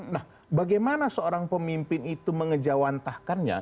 nah bagaimana seorang pemimpin itu mengejawantahkannya